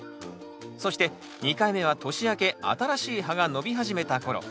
そして２回目は年明け新しい葉が伸び始めた頃。